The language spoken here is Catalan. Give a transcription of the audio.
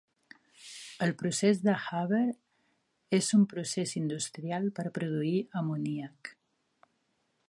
El procés de Haber és un procés industrial per produir amoníac.